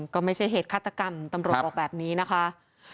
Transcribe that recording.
ก็ไม่ใช่เหตุฆาตกรรมตำรวจบอกแบบนี้นะคะ